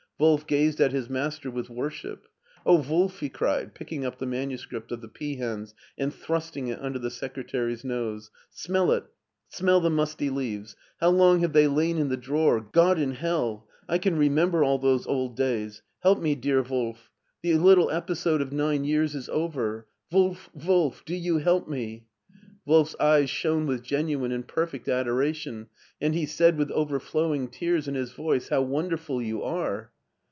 Wolf gazed at his master with worship. "Oh, Wolf!" he cried, picking up the manuscript of the peahens and thrusting it under the secretary's nose, "smell it, smell the musty leaves. How long have they lain in the drawer! God in hell! I can remember all those old days. Help me, dear Wolf. ^6o MARTIN SCHtJLER The little episode of nine years is over. Wolf, Wolf, do you help me !" Wolf's eyes shone with genuine and perfect adoration, tod he said with overflowing tears in his voice, " How wonderful you are."